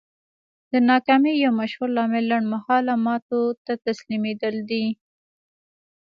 د ناکامۍ يو مشهور لامل لنډ مهاله ماتو ته تسليمېدل دي.